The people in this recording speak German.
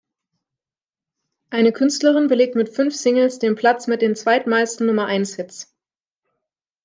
Eine Künstlerin belegt mit fünf Singles den Platz mit den zweitmeisten Nummer-eins-Hits.